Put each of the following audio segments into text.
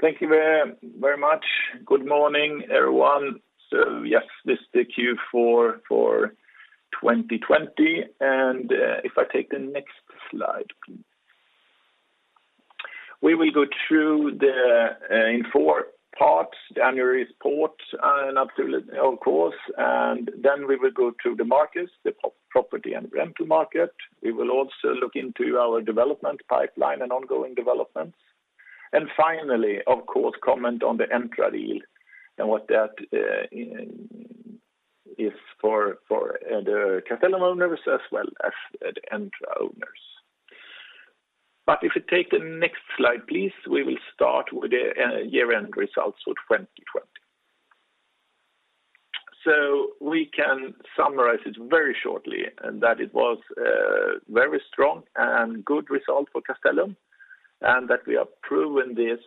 Thank you very much. Good morning, everyone, so yeah, this is the Q4 for 2020, and if I take the next slide, please. We will go through in four parts, the annual report, of course, and then we will go through the markets, the property and rental market. We will also look into our development pipeline and ongoing developments and, finally, of course, comment on the Entra deal and what that is for the Castellum owners as well as the Entra owners. If you take the next slide, please, we will start with the year-end results for 2020. We can summarize it very shortly in that it was a very strong and good result for Castellum, and that we have proven this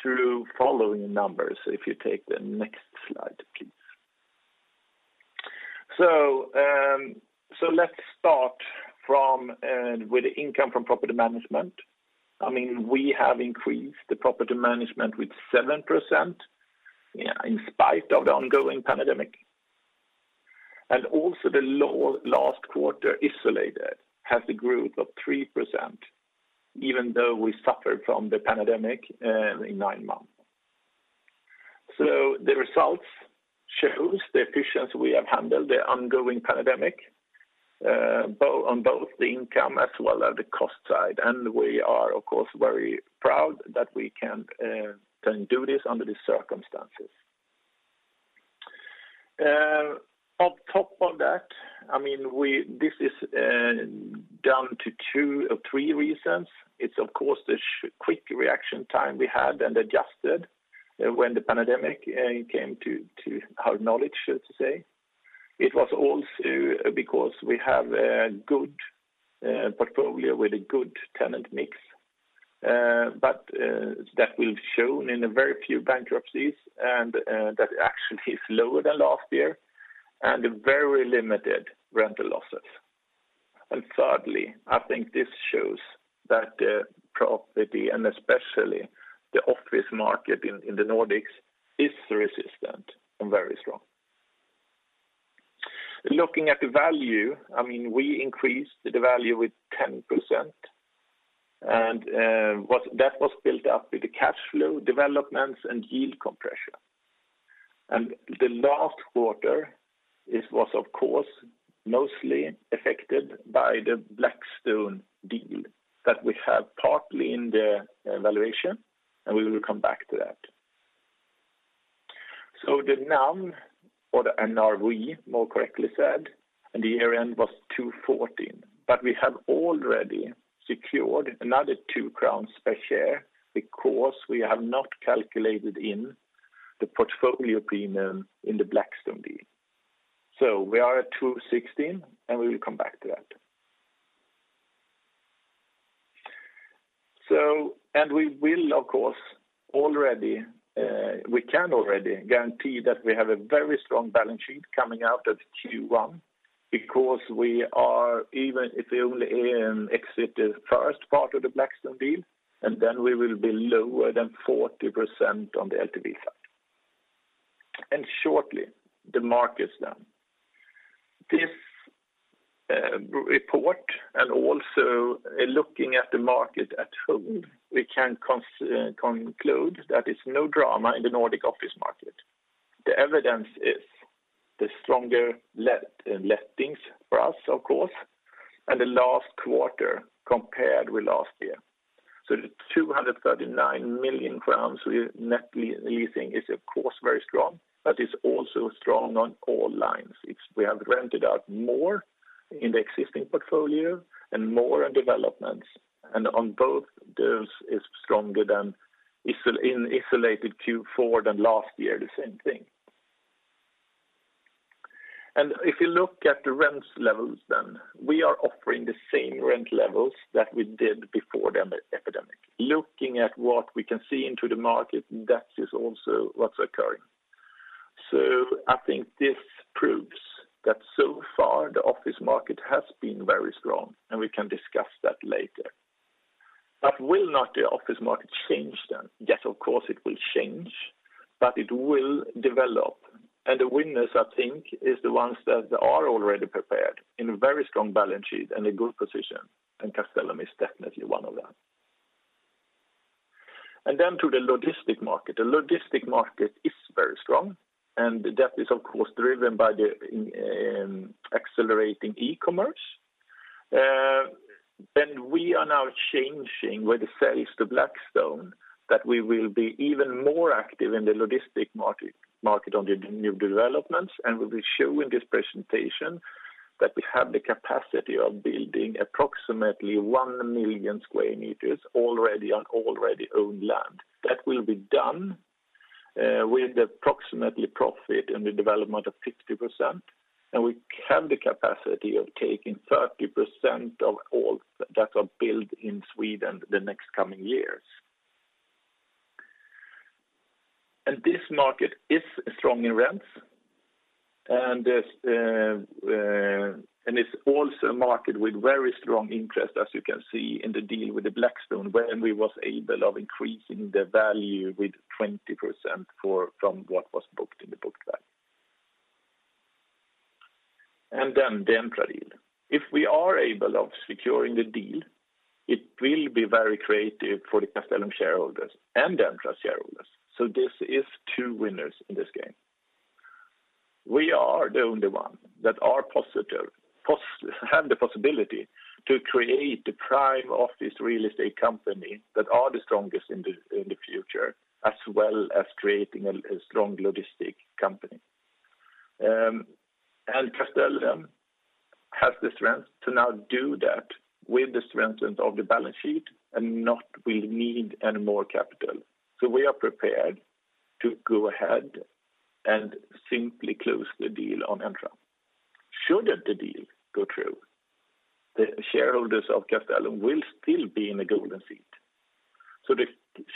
through following numbers. If you take the next slide, please. Let's start with the income from property management. We have increased the property management with 7% in spite of the ongoing pandemic, and also, the last quarter isolated has the growth of 3%, even though we suffered from the pandemic in nine months. The results shows the efficiency we have handled the ongoing pandemic on both the income as well as the cost side. We are, of course, very proud that we can do this under these circumstances. On top of that, I mean, this is down to two or three reasons. It's, of course, the quick reaction time we had and adjusted when the pandemic came to our knowledge, so to say. It was also because we have a good portfolio with a good tenant mix, but that we've shown in a very few bankruptcies, and that actually is lower than last year and very limited rental losses. Thirdly, I think this shows that property and especially the office market in the Nordics is resistant and very strong. Looking at the value, I mean, we increased the value with 10%, and that was built up with the cash flow developments and yield compression. The last quarter, it was, of course, mostly affected by the Blackstone deal that we have partly in the valuation, and we will come back to that. The NAV or the NRV, more correctly said, at the year-end was 214. We have already secured another 2 crowns per share because we have not calculated in the portfolio premium in the Blackstone deal, so we are at 216, and we will come back to that. We can already guarantee that we have a very strong balance sheet coming out of Q1 because we are, even if we only exit the first part of the Blackstone deal, then we will be lower than 40% on the LTV, and shortly, the markets then. This report and also looking at the market at home, we can conclude that it's no drama in the Nordic office market. The evidence is the stronger lettings for us, of course, and the last quarter compared with last year. The 239 million crowns net leasing is, of course, very strong, but it's also strong on all lines. We have rented out more in the existing portfolio and more on developments, and on both those is stronger than in isolated Q4 than last year, the same thing. If you look at the rents levels then, we are offering the same rent levels that we did before the epidemic. Looking at what we can see into the market and that is also what's occurring. I think this proves that so far the office market has been very strong and we can discuss that later. Will not the office market change then? Yes, of course, it will change, but it will develop, and the winners, I think, is the ones that are already prepared in a very strong balance sheet and a good position, and Castellum is definitely one of them, and then to the logistic market. The logistic market is very strong, and that is, of course, driven by the accelerating e-commerce. We are now changing with the sales to Blackstone that we will be even more active in the logistics market on the new developments. We will be showing this presentation that we have the capacity of building approximately 1 million sq m already on already owned land. That will be done with approximately profit in the development of 50%, and we have the capacity of taking 30% of all that are built in Sweden the next coming years, and this market is strong in rents. It is also a market with very strong interest, as you can see in the deal with Blackstone, where we were able of increasing the value with 20% from what was booked in the book value, and the Entra deal. If we are able of securing the deal, it will be very accretive for the Castellum shareholders and Entra shareholders. This is two winners in this game. We are the only one that have the possibility to create the prime office real estate company that are the strongest in the future, as well as creating a strong logistic company. Castellum has the strength to now do that with the strengthen of the balance sheet and not will need any more capital. We are prepared to go ahead and simply close the deal on Entra. Should the deal go through, the shareholders of Castellum will still be in a golden seat. The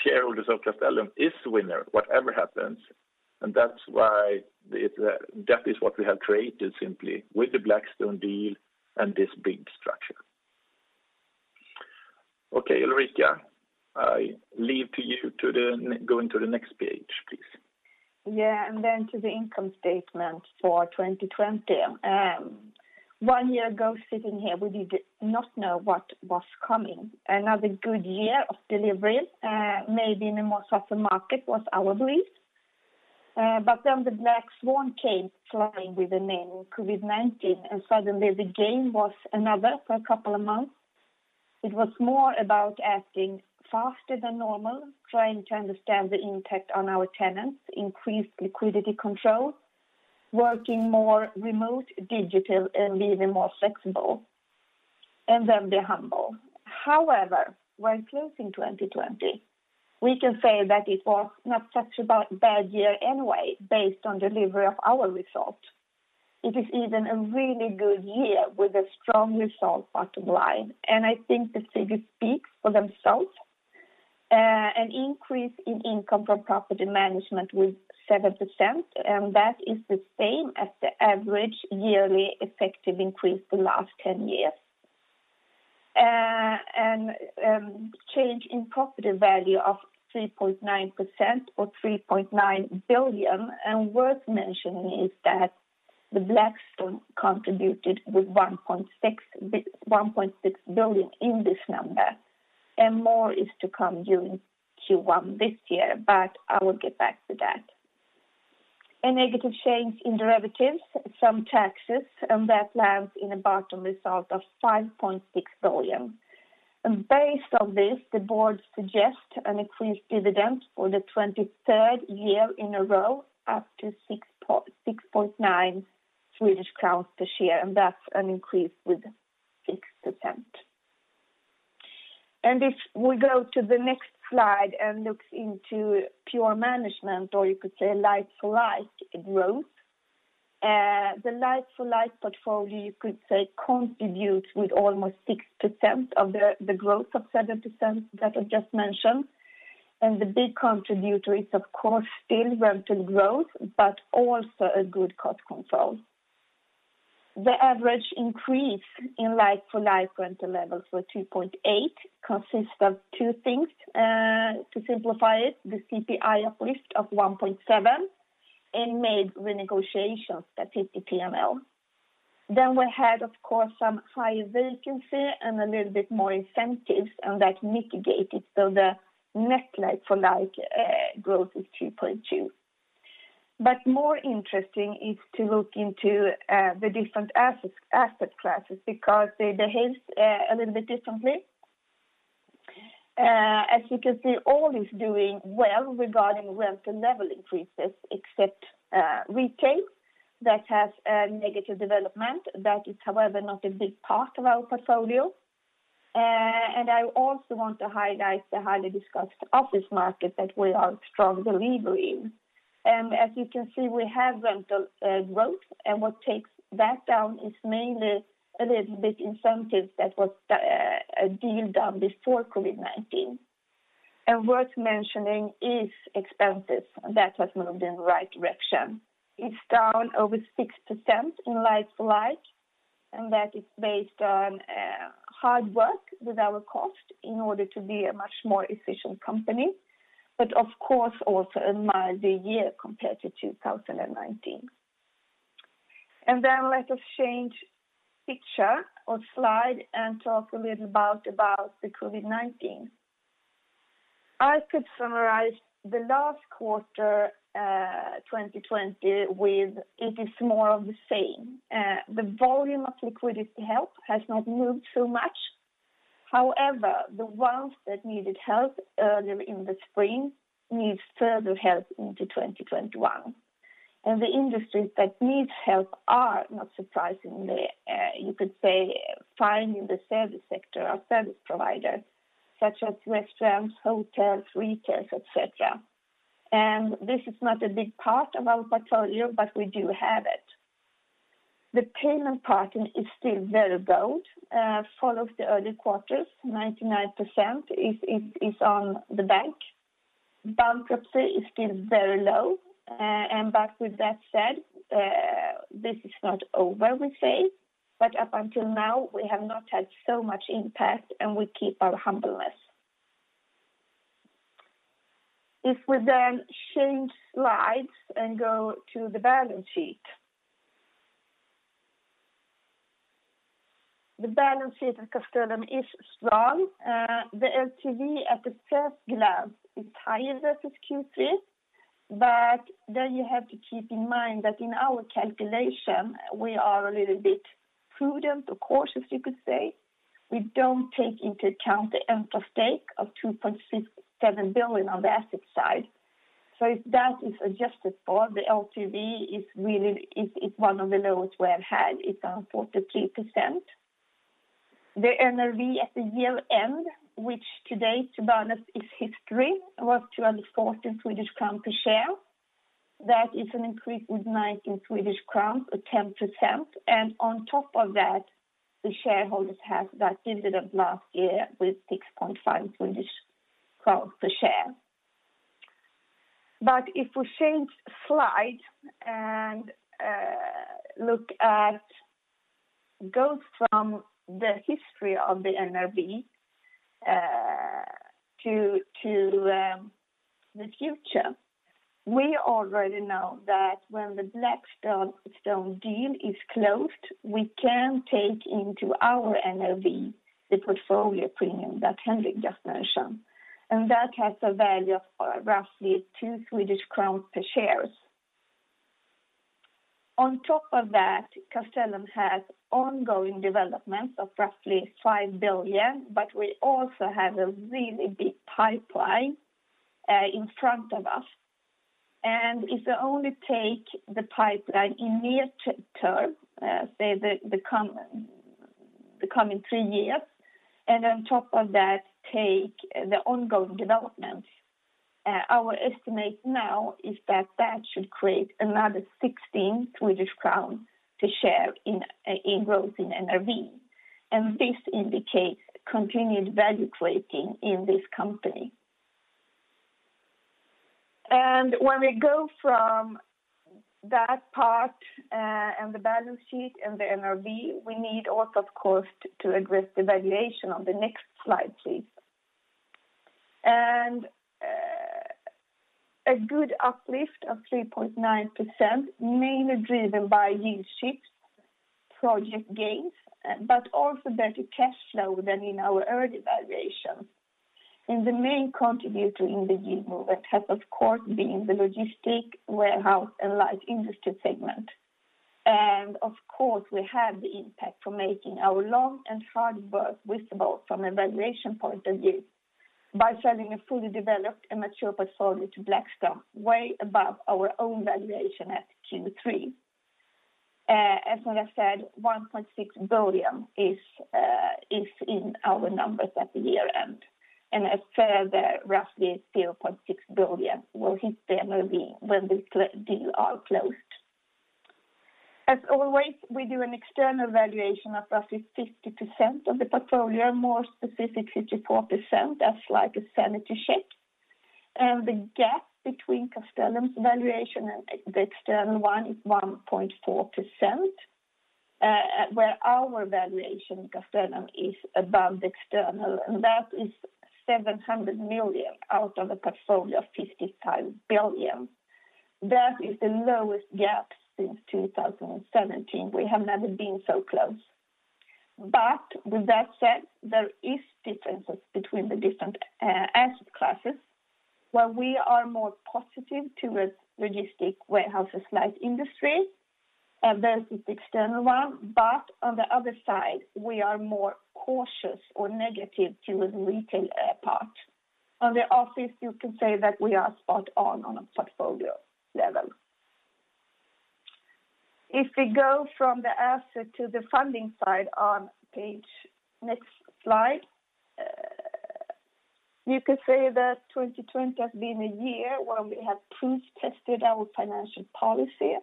shareholders of Castellum is the winner, whatever happens, and that is what we have created simply with the Blackstone deal and this big structure. Okay, Ulrika, I leave to you to go into the next page, please. Yeah, and then to the income statement for 2020. One year ago sitting here, we did not know what was coming. Another good year of deliveries, maybe in a more softer market was our belief. The black swan came flying with the name COVID-19, and suddenly the game was another for a couple of months. It was more about acting faster than normal, trying to understand the impact on our tenants, increased liquidity control, working more remote, digital, and being more flexible, and be humble. However, when closing 2020, we can say that it was not such a bad year anyway based on delivery of our results. It is even a really good year with a strong result bottom line, and I think the figures speak for themselves. An increase in income from property management with 7% and that is the same as the average yearly effective increase the last 10 years. Change in property value of 3.9% or 3.9 billion, worth mentioning is that Blackstone contributed with 1.6 billion in this number, and more is to come during Q1 this year, but I will get back to that. A negative change in derivatives, some taxes, that lands in a bottom result of 5.6 billion. Based on this, the board suggests an increased dividend for the 23rd year in a row after 6.9 Swedish crowns this year, that's an increase with 6%. If we go to the next slide and look into pure management or you could say like-for-like growth, the like-for-like portfolio you could say contributes with almost 6% of the growth of 7% that I just mentioned. The big contributor is, of course, still rental growth but also a good cost control. The average increase in like-for-like rental levels were 2.8%, consists of two things. To simplify it, the CPI uplift of 1.7% in made renegotiations that hit the P&L, and then we had, of course, some high vacancy and a little bit more incentives, and that mitigated. The net like-for-like growth is 2.2%. More interesting is to look into the different asset classes because they behaved a little bit differently. As you can see, all is doing well regarding rent and level increases except retail, that has a negative development. That is, however, not a big part of our portfolio. I also want to highlight the highly discussed office market that we are strong delivery in. As you can see, we have rental growth, and what takes that down is mainly a little bit incentive that was a deal done before COVID-19, and worth mentioning is expenses. That has moved in the right direction. It's down over 6% in like-for-like, and that is based on hard work with our cost in order to be a much more efficient company and, of course, also a milder year compared to 2019. Let us change picture or slide and talk a little about the COVID-19. I could summarize, the last quarter 2020 with it is more of the same. The volume of liquidity help has not moved so much. However, the ones that needed help earlier in the spring needs further help into 2021. The industries that need help are not surprisingly, you could say, found in the service sector or service providers such as restaurants, hotels, retail, et cetera, and this is not a big part of our portfolio, but we do have it. The payment pattern is still very good, follows the early quarters, so 99% is on the bank. Bankruptcy is still very low, but with that said, this is not over, we say. Up until now, we have not had so much impact, and we keep our humbleness. If we then change slides and go to the balance sheet. The balance sheet of Castellum is strong. The LTV at the first glance is higher than at Q3, but then you have to keep in mind that in our calculation, we are a little bit prudent or cautious, you could say. We don't take into account the Entra stake of 2.7 billion on the asset side. If that is adjusted for, the LTV is one of the lowest we have had. It's on 43%. The NAV at the year-end, which today, to be honest, is history, was SEK 214 per share. That is an increase with 19 Swedish crowns or 10%, and on top of that, the shareholders had that dividend last year with 6.5 crowns per share. If we change slide and look at, go from the history of the NAV to the future. We already know that when the Blackstone deal is closed, we can take into our NAV the portfolio premium that Henrik just mentioned, and that has a value of roughly 2 Swedish crowns per share. On top of that, Castellum has ongoing developments of roughly 5 billion, but we also have a really big pipeline in front of us. If we only take the pipeline in near term, say the coming three years, and on top of that, take the ongoing developments, our estimate now is that that should create another 16 Swedish crowns per share in growth in NAV, and this indicates continued value creating in this company. When we go from that part and the balance sheet and the NAV, we need also, of course, to address the valuation on the next slide, please, and a good uplift of 3.9%, mainly driven by yield shifts, project gains, but also better cash flow than in our early valuation. The main contributor in the yield movement has, of course, been the logistics, warehouse, and light industry segment. Of course, we have the impact from making our long and hard work visible from a valuation point of view by selling a fully developed and mature portfolio to Blackstone way above our own valuation at Q3. As I said, 1.6 billion is in our numbers at the year-end. A further roughly 0.6 billion will hit the NAV when the deal are closed. As always, we do an external valuation of roughly 50% of the portfolio, more specifically 54%, as like a sanity check. The gap between Castellum's valuation and the external one is 1.4%, where our valuation in Castellum is above the external, and that is 700 million out of a portfolio of 55 billion. That is the lowest gap since 2017. We have never been so close. With that said, there is differences between the different asset classes where we are more positive towards logistics warehouses, light industry versus the external one. On the other side, we are more cautious or negative towards retail part. On the office, you can say that we are spot on a portfolio level. If we go from the asset to the funding side on next slide, you could say that 2020 has been a year where we have proof-tested our financial policy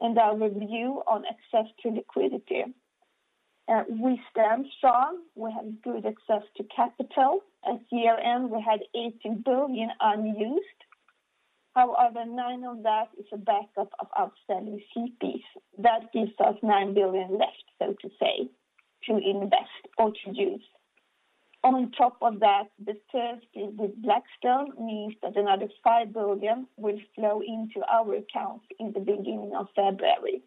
and our review on access to liquidity. We stand strong. We have good access to capital. At year-end, we had 18 billion unused. However, 9 billion of that is a backup of outstanding CP. That gives us 9 billion left, so to say, to invest or to use. On top of that, the close with Blackstone means that another 5 billion will flow into our accounts in the beginning of February.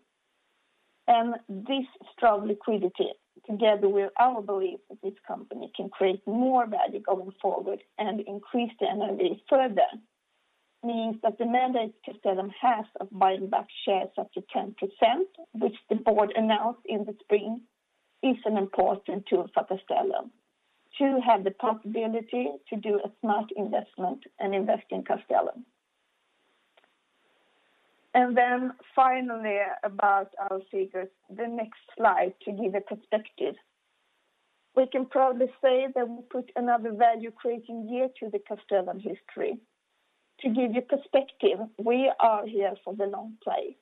This strong liquidity, together with our belief that this company can create more value going forward and increase the NAV further, means that the mandate Castellum has of buying back shares up to 10%, which the board announced in the spring, is an important tool for Castellum to have the possibility to do a smart investment and invest in Castellum. Then finally, about our figures, the next slide to give a perspective. We can proudly say that we put another value-creating year to the Castellum history. To give you perspective, we are here for the long play.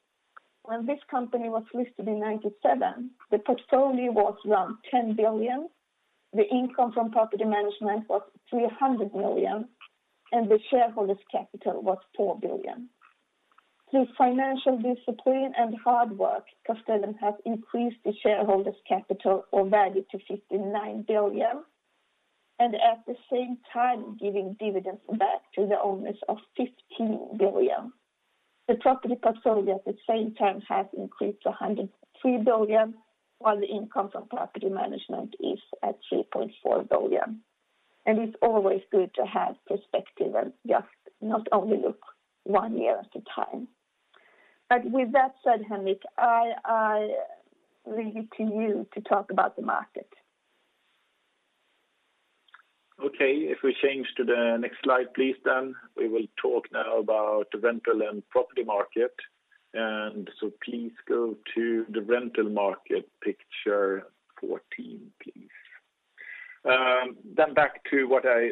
When this company was listed in 1997, the portfolio was around 10 billion. The income from property management was 300 million, and the shareholders' capital was 4 billion. Through financial discipline and hard work, Castellum has increased the shareholders' capital or value to 59 billion, and at the same time giving dividends back to the owners of 15 billion. The property portfolio at the same time has increased to 103 billion, while the income from property management is at 3.4 billion, and it's always good to have perspective and just not only look one year at a time. With that said, Henrik, I leave it to you to talk about the market. Okay. If we change to the next slide, please, Stan, we will talk now about the rental and property market. Please go to the rental market picture 14, please. Then back to what I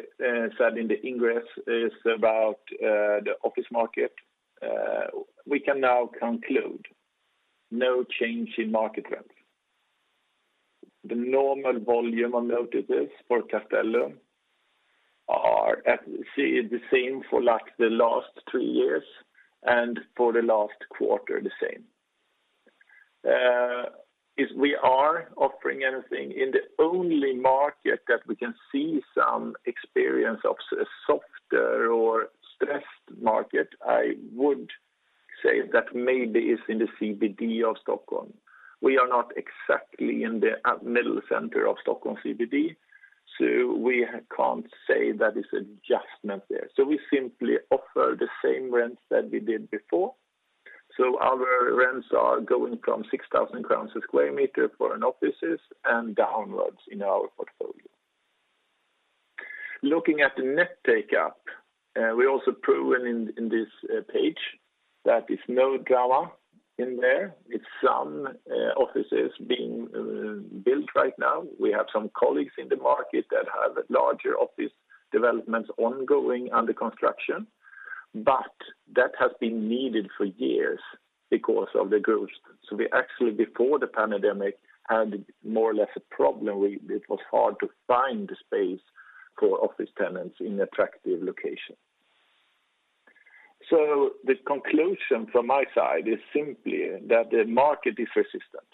said in the ingress is about the office market. We can now conclude no change in market rent. The normal volume of notices for Castellum are the same for the last three years, and for the last quarter, the same. If we are offering anything in the only market that we can see some experience of a softer or stressed market, I would say that maybe it's in the CBD of Stockholm. We are not exactly in the middle center of Stockholm CBD, so we can't say that it's an adjustment there. We simply offer the same rents that we did before. Our rents are going from 6,000 crowns a sq m for an offices and downwards in our portfolio. Looking at the net take-up, we also proven in this page that it's no drama in there. It's some offices being built right now. We have some colleagues in the market that have larger office developments ongoing under construction, but that has been needed for years, because of the growth. We actually before the pandemic, had more or less a problem. It was hard to find the space for office tenants in attractive locations. The conclusion from my side is simply that the market is resistant,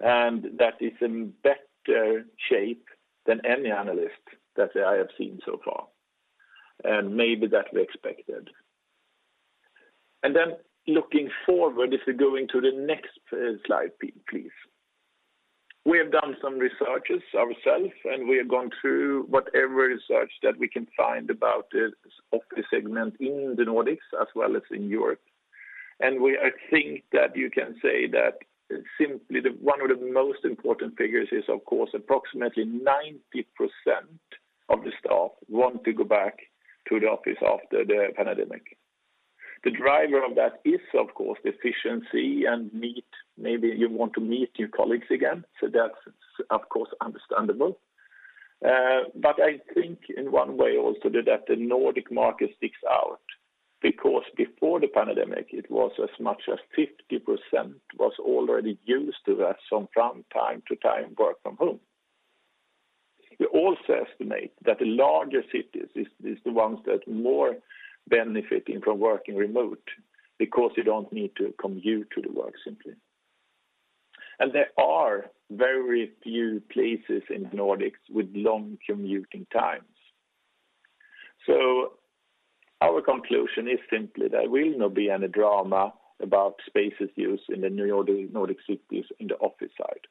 and that it's in better shape than any analyst that I have seen so far, and maybe that we expected. Then looking forward, if we go into the next slide, please. We have done some researches ourselves, we have gone through whatever research that we can find about the office segment in the Nordics as well as in Europe. I think that you can say that simply one of the most important figures is, of course, approximately 90% of the staff want to go back to the office after the pandemic. The driver of that is, of course, efficiency and meet, maybe you want to meet new colleagues again. That's, of course, understandable. I think in one way also that the Nordic market sticks out because before the pandemic, it was as much as 50% was already used to that some from time to time work from home. We also estimate that the larger cities is the ones that more benefiting from working remote because you don't need to commute to the work simply. There are very few places in Nordics with long commuting times. Our conclusion is simply there will not be any drama about space use in the Nordic cities in the office side,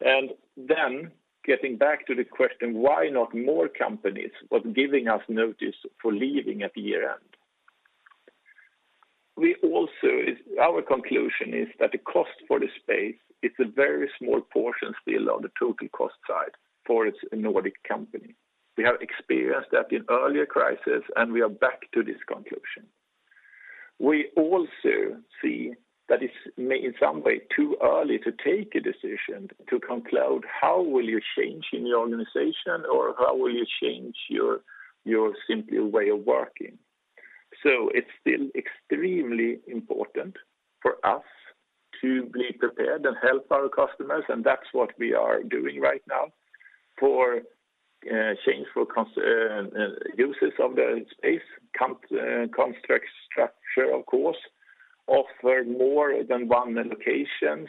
and then getting back to the question, why not more companies were giving us notice for leaving at year-end? Our conclusion is that the cost for the space is a very small portion still of the total cost side for a Nordic company. We have experienced that in earlier crises, and we are back to this conclusion. We also see that it's in some way too early to take a decision to conclude how will you change in your organization or how will you change your simple way of working. It's still extremely important for us to be prepared and help our customers, and that's what we are doing right now for change for uses of the space, construct structure, of course, offer more than one locations,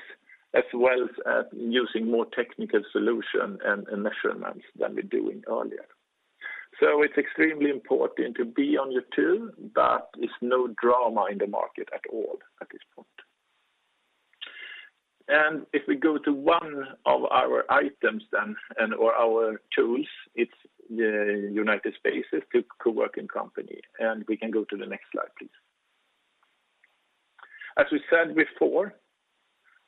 as well as using more technical solution and measurements than we're doing earlier. It's extremely important to be on your tool, but it's no drama in the market at all at this point. If we go to one of our items then, or our tools, it's the United Spaces co-working company, and we can go to the next slide, please. As we said before,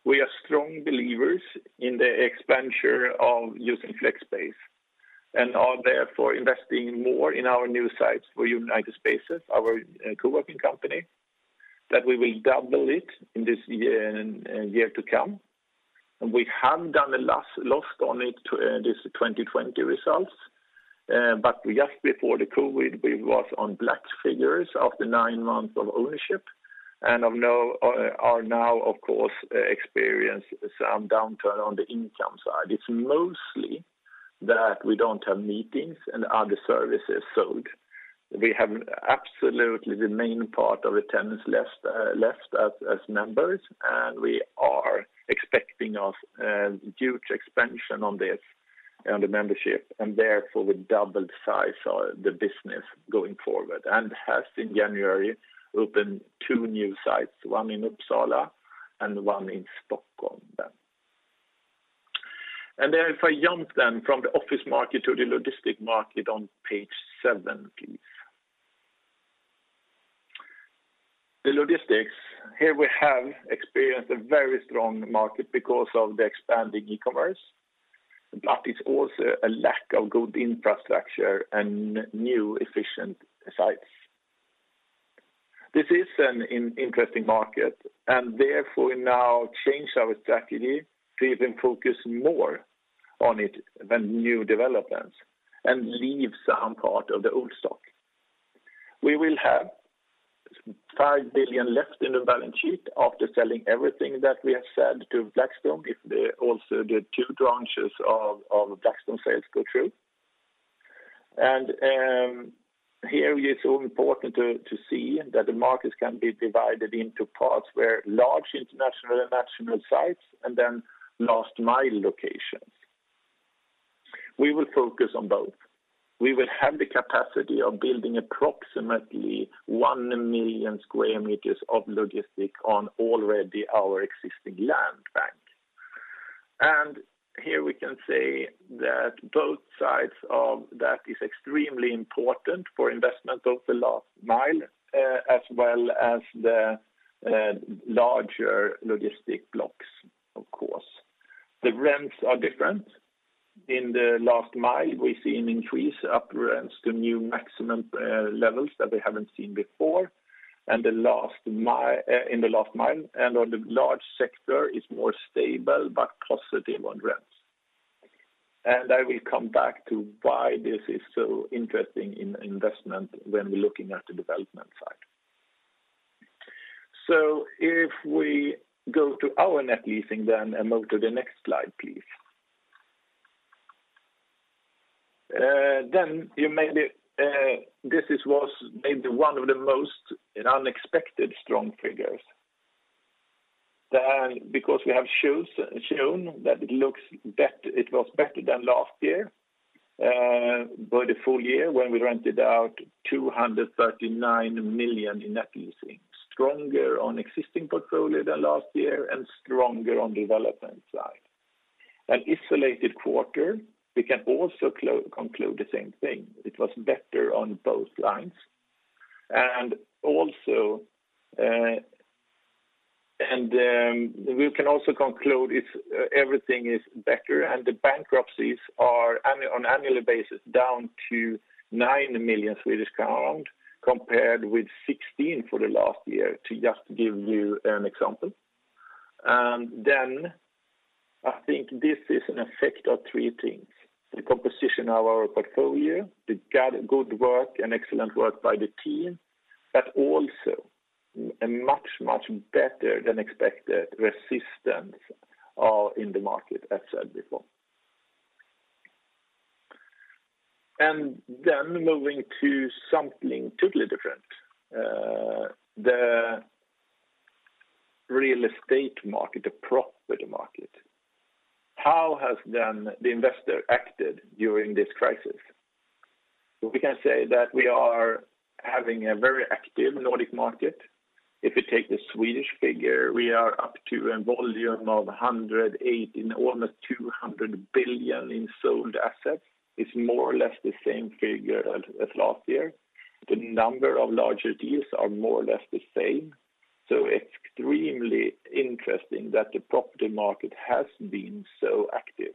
we are strong believers in the expansion of using flex space and are therefore investing more in our new sites for United Spaces, our co-working company, that we will double it in this year, and year to come. We have done a loss on it this 2020 results but just before the COVID-19, we was on black figures after nine months of ownership, and are now, of course, experience some downturn on the income side. It's mostly that we don't have meetings and other services sold. We have absolutely the main part of the tenants left as members, and we are expecting a huge expansion on the membership, and therefore we doubled size of the business going forward, and has in January opened two new sites, one in Uppsala and one in Stockholm. If I jump then from the office market to the logistic market on page seven, please. The logistics, here we have experienced a very strong market because of the expanding e-commerce, but it's also a lack of good infrastructure and new efficient sites. This is an interesting market and, therefore, we now change our strategy to even focus more on it than new developments, and leave some part of the old stock. We will have 5 billion left in the balance sheet after selling everything that we have said to Blackstone, if also, the two tranches of Blackstone sales go through. Here it is so important to see that the markets can be divided into parts where large international and national sites and then last mile locations. We will focus on both. We will have the capacity of building approximately 1 million sq m of logistics on already our existing land bank, and here we can say that both sides of that is extremely important for investment of the last mile, as well as the larger logistics blocks, of course. The rents are different. In the last mile, we see an increase up rents to new maximum levels that we haven't seen before in the last mile, and on the large sector is more stable, but positive on rents. I will come back to why this is so interesting in investment when we're looking at the development side. If we go to our net leasing then and move to the next slide, please. This was maybe one of the most unexpected strong figures because we have shown that it was better than last year by the full-year when we rented out 239 million in net leasing, stronger on existing portfolio than last year and stronger on development side. An isolated quarter, we can also conclude the same thing. It was better on both lines. We can also conclude if everything is better and the bankruptcies are on annual basis down to 9 million Swedish crowns compared with 16 million for the last year, to just give you an example, and then I think this is an effect of three things. The composition of our portfolio, the good work and excellent work by the team, but also a much, much better than expected resistance in the market, as said before, and moving to something totally different, the real estate market, the property market. How has the investor acted during this crisis? We can say that we are having a very active Nordic market. If you take the Swedish figure, we are up to a volume of 108 billion in all of 200 billion in sold assets, is more or less the same figure as last year. The number of larger deals are more or less the same, so extremely interesting that the property market has been so active.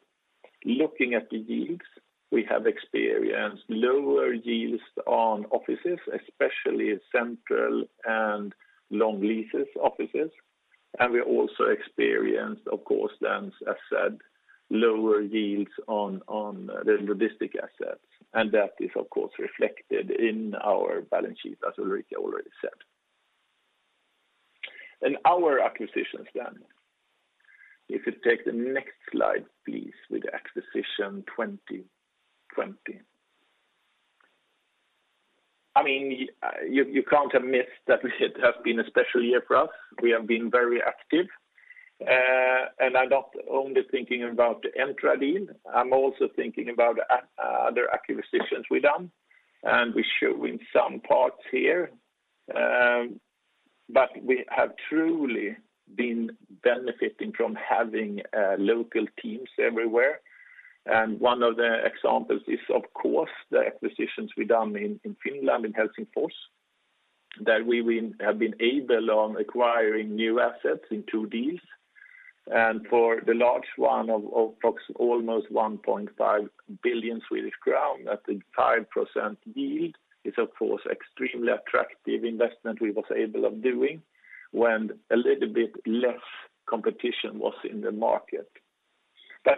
Looking at the yields, we have experienced lower yields on offices, especially central and long leases offices, and we also experienced, of course, then, as said, lower yields on the logistic assets, and that is, of course, reflected in our balance sheet, as Ulrika already said. Our acquisitions then, if you take the next slide, please, with acquisition 2020. I mean, you can't have missed that it has been a special year for us. We have been very active. I'm not only thinking about the Entra deal, I'm also thinking about other acquisitions we've done, and we show in some parts here, but we have truly been benefiting from having local teams everywhere. One of the examples is, of course, the acquisitions we've done in Finland, in Helsingfors, that we have been able on acquiring new assets in two deals, and for the large one of approximately almost 1.5 billion Swedish crown at a 5% yield is, of course, extremely attractive investment we were able of doing when a little bit less competition was in the market.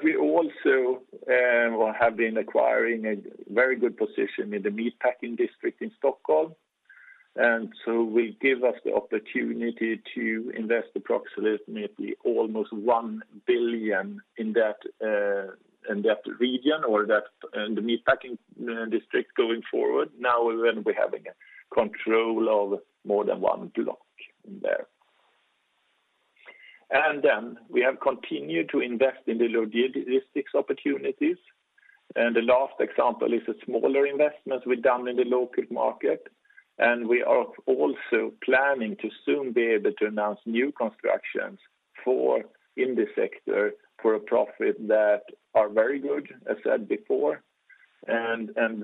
We also have been acquiring a very good position in the meatpacking district in Stockholm. It will give us the opportunity to invest approximately almost 1 billion in that region or the meatpacking district going forward now when we have control of more than one block there. We have continued to invest in the logistics opportunities. The last example is a smaller investment we've done in the local market, and we are also planning to soon be able to announce new constructions in this sector for a profit that are very good, as said before.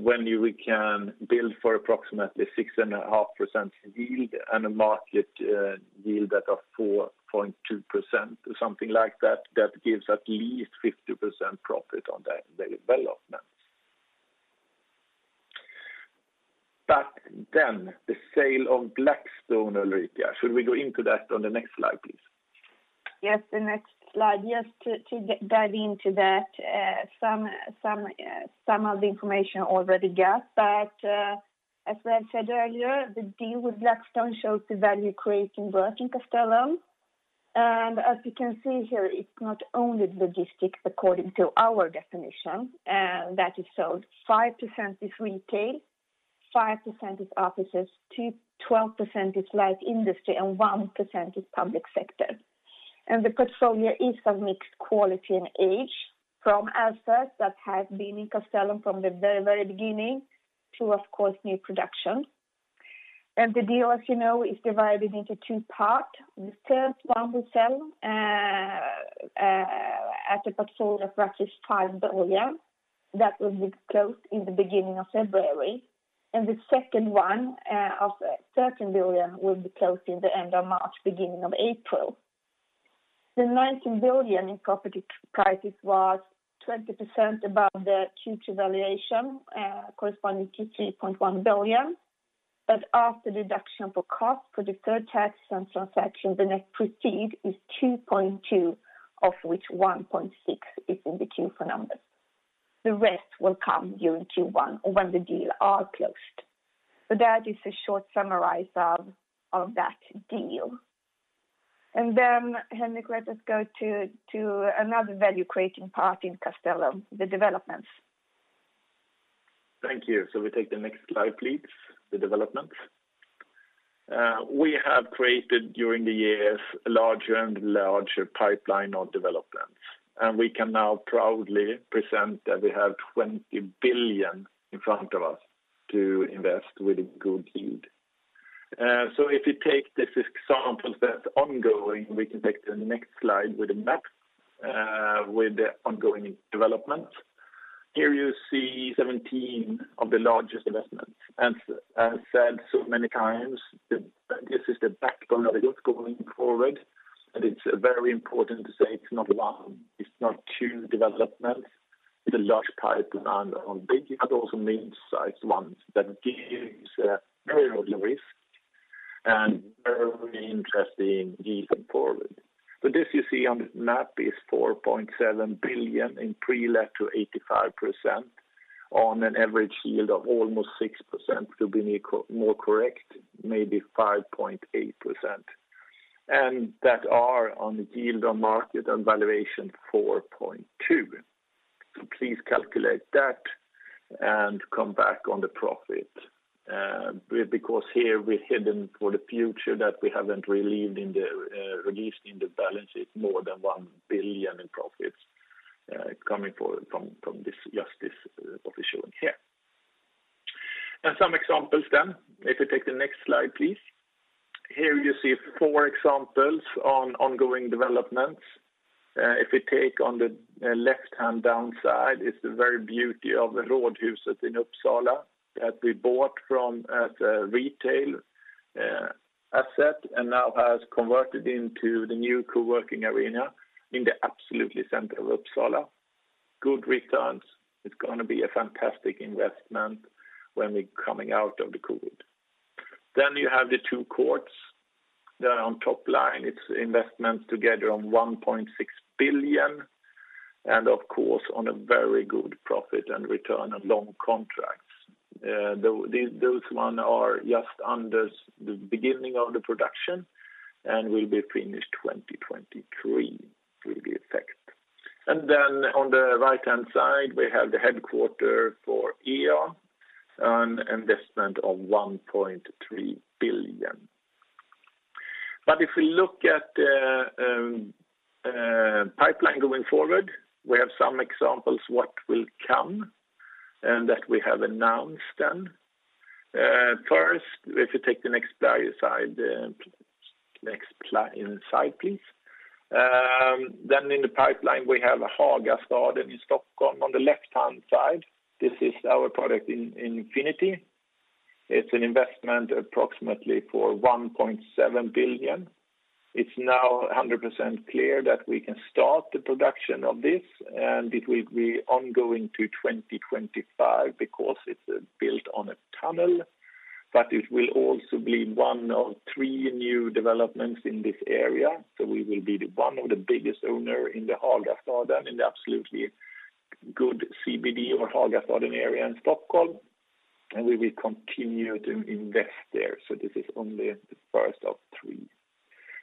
When we can build for approximately 6.5% yield and a market yield at a 4.2% or something like, that gives at least 50% profit on the development, but then the sale of Blackstone, Ulrika. Should we go into that on the next slide, please? The next slide, just to dive into that, some of the information already got, but as I said earlier, the deal with Blackstone shows the value-creating work in Castellum. As you can see here, it's not only logistics according to our definition that is sold, 5% is retail, 5% is offices, 12% is light industry, and 1% is public sector. The portfolio is of mixed quality and age from assets that have been in Castellum from the very beginning to, of course, new production. The deal, as you know, is divided into two parts. The first one we sell at a portfolio of 5 billion. That will be closed in the beginning of February and the second one of 13 billion will be closed in the end of March, beginning of April. The 19 billion in property prices was 20% above the Q2 valuation, corresponding to 3.1 billion, but after deduction for cost, property tax, and transaction, the net proceed is 2.2 billion, of which 1.6 billion is in the Q4 numbers. The rest will come during Q1 when the deal are closed, so that is a short summarize of that deal. Henrik, let us go to another value-creating part in Castellum, the developments. Thank you. We take the next slide, please, the developments. We have created during the years larger and larger pipeline of developments. We can now proudly present that we have 20 billion in front of us to invest with a good yield. If you take this example that's ongoing, we can take the next slide with the map with the ongoing developments. Here you see 17 of the largest investments. As said so many times, this is the backbone that is going forward, and it's very important to say it's not one, it's not two developments with a large pipeline on big, but also mid-sized ones that gives risk and very interesting yield going forward. This you see on this map is 4.7 billion in pre-let to 85% on an average yield of almost 6%, to be more correct, maybe 5.8%. That are on the yield on market and valuation, 4.2%, and please calculate that and come back on the profit. Because here we've hidden for the future that we haven't released in the balance sheet more than 1 billion in profits coming from just this office here. Some examples then, if you take the next slide, please. Here you see four examples on ongoing developments. If you take on the left-hand down side is the very beauty of the Rådhuset in Uppsala that we bought from as a retail asset, and now has converted into the new co-working arena in the absolutely center of Uppsala, good returns. It's going to be a fantastic investment when we're coming out of the COVID. Then you have the two courts, they're on top line. It's investments together on 1.6 billion and, of course, on a very good profit and return on long contracts. Those ones are just under the beginning of the production and will be finished 2023 with the effect. On the right-hand side, we have the headquarter for E.ON, an investment of 1.3 billion. If we look at the pipeline going forward, we have some examples what will come and that we have announced then. First, if you take the next slide please. In the pipeline, we have Hagastaden in Stockholm on the left-hand side. This is our product in Infinity. It's an investment approximately for 1.7 billion. It's now 100% clear that we can start the production of this, and it will be ongoing to 2025, because it's built on a tunnel, but it will also be one of three new developments in this area. We will be one of the biggest owner in the Hagastaden, in the absolutely good CBD or Hagastaden area in Stockholm, and we will continue to invest there. This is only the first of three,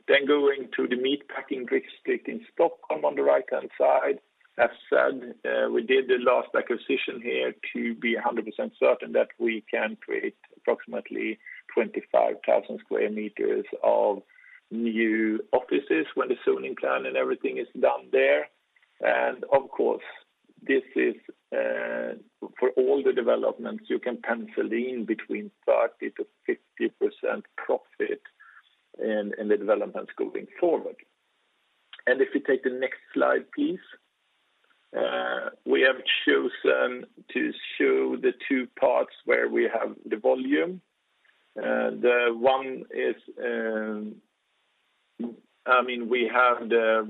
then going to the Meatpacking District in Stockholm on the right-hand side. As said, we did the last acquisition here to be 100% certain that we can create approximately 25,000 sq m of new offices when the zoning plan and everything is done there, and, of course, for all the developments, you can pencil in between 30% to 50% profit in the developments going forward. If you take the next slide, please. We have chosen to show the two parts where we have the volume. I mean, we have the 1.2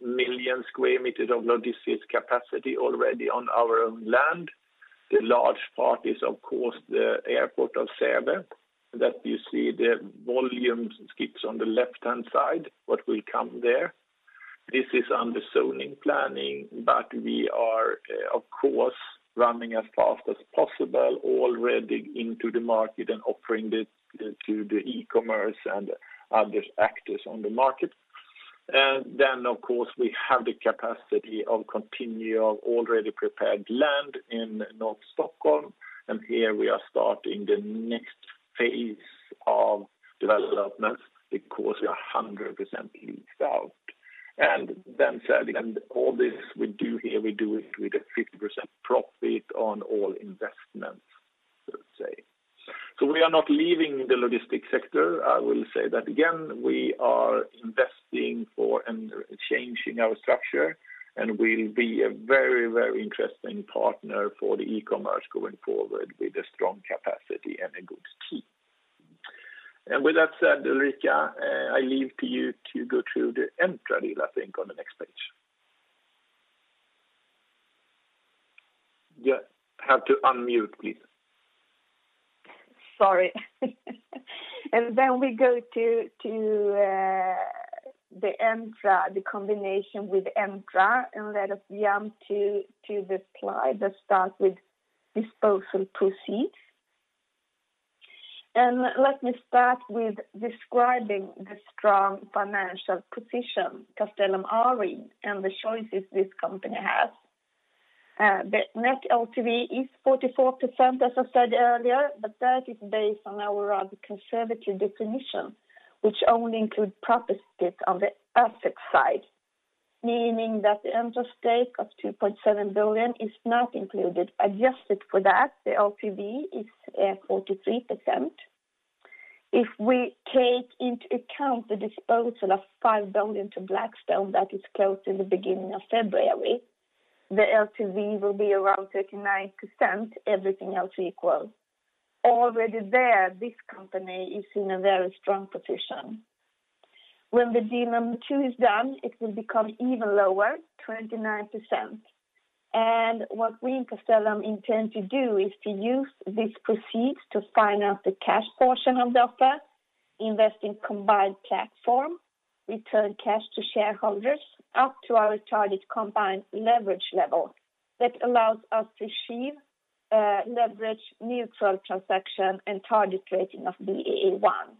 million sq m of logistics capacity already on our land. The large part is, of course, the airport of Säve that you see the volume skips on the left-hand side, what will come there. This is under zoning planning, but we are, of course, running as fast as possible already into the market and offering it to the e-commerce and other actors on the market. Of course, we have the capacity of continue of already prepared land in North Stockholm, and here we are starting the next phase of development because we are 100% leased out. Then said, and all this we do here, we do it with a 50% profit on all investments, so to say. We are not leaving the logistics sector. I will say that again, we are investing for and changing our structure, and we'll be a very interesting partner for the e-commerce going forward with a strong capacity and a good team. With that said, Ulrika, I leave to you to go through the Entra deal, I think, on the next page. You have to unmute, please. Sorry and then we go to Entra, the combination with Entra, and let us jump to the slide that starts with disposal proceeds. Let me start with describing the strong financial position, Castellum are in and the choices this company has. The net LTV is 44%, as I said earlier, but that is based on our rather conservative definition, which only include properties on the asset side, meaning that the interest stake of 2.7 billion is not included. Adjusted for that, the LTV is at 43%. If we take into account the disposal of 5 billion to Blackstone that is closed in the beginning of February, the LTV will be around 39%, everything else equal, and already there, this company is in a very strong position. When the deal number two is done, it will become even lower, 29%. What we in Castellum intend to do is to use these proceeds to finance the cash portion of the offer, invest in combined platform, return cash to shareholders up to our target combined leverage level that allows us to achieve leverage neutral transaction and target rating of Baa1.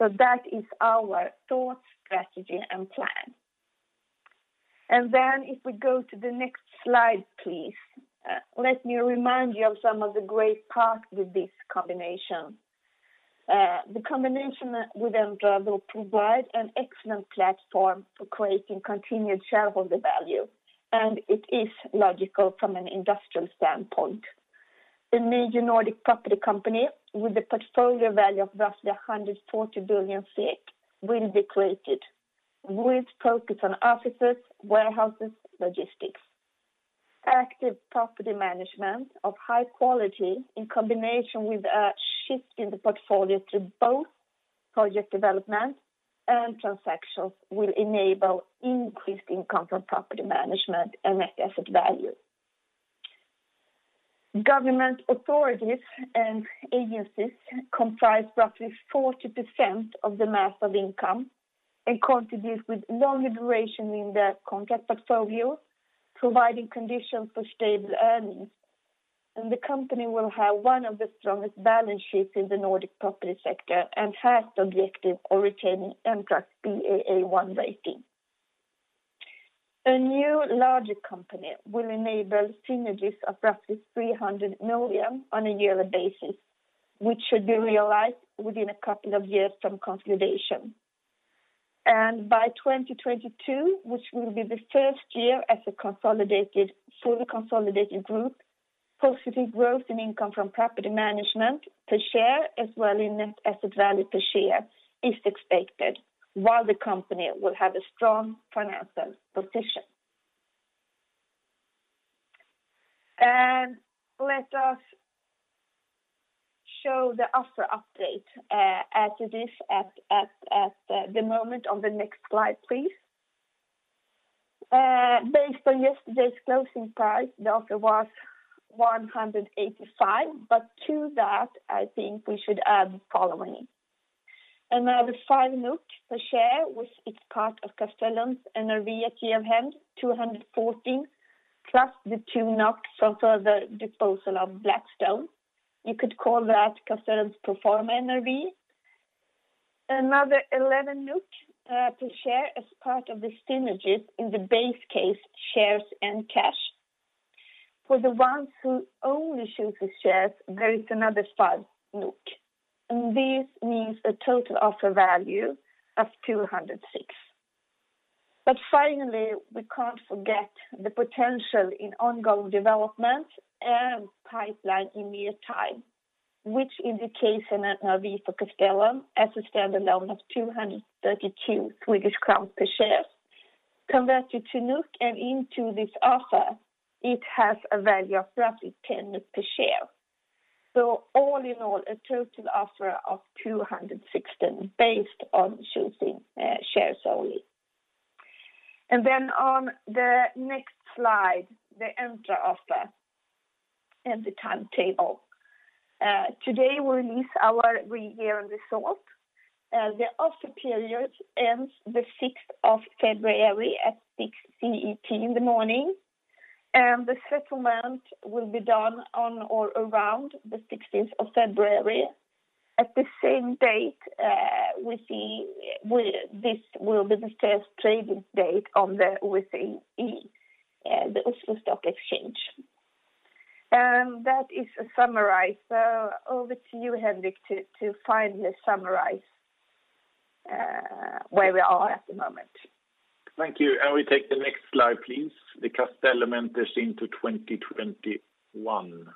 That is our thought, strategy, and plan. If we go to the next slide, please. Let me remind you of some of the great parts with this combination. The combination with Entra will provide an excellent platform for creating continued shareholder value and it is logical from an industrial standpoint. A major Nordic property company with a portfolio value of roughly 140 billion will be created with focus on offices, warehouses, logistics. Active property management of high quality in combination with a shift in the portfolio to both project development and transactions will enable increased income from property management and net asset value. Government authorities and agencies comprise roughly 40% of the mass of income and contributes with long duration in the contract portfolio, providing conditions for stable earnings, and the company will have one of the strongest balance sheets in the Nordic property sector, and has the objective of retaining Entra's Baa1 rating. A new larger company will enable synergies of roughly 300 million on a yearly basis, which should be realized within a couple of years from consolidation. By 2022, which will be the first year as a fully consolidated group, positive growth in income from property management per share as well in net asset value per share is expected, while the company will have a strong financial position. Let us show the offer update as it is at the moment on the next slide, please. Based on yesterday's closing price, the offer was 185, but to that, I think we should add the following. Another 5 NOK per share with its part of Castellum's NAV at year-end 214 plus the 2 NOK for the disposal of Blackstone. You could call that Castellum's pro forma NAV. Another 11 to share as part of the synergies in the base case shares and cash. For the ones who only choose the shares, there is another 5 NOK, and this means a total offer value of 206. Finally, we can't forget the potential in ongoing development and pipeline in near time, which indicates an NAV for Castellum as a standalone of 232 Swedish crowns per share. Converted to NOK and into this offer, it has a value of roughly 10 NOK per share. All in all, a total offer of 216 based on choosing shares only. On the next slide, the Entra offer and the timetable. Today we release our year-end results. The offer period ends the 6th of February at 06:00 in the morning, and the settlement will be done on or around the 16th of February. At the same date, this will be the first trading date on the OSE, the Oslo Stock Exchange, and that is a summarize. Over to you, Henrik, to finally summarize where we are at the moment. Thank you. We take the next slide, please. The Castellum enter into 2021.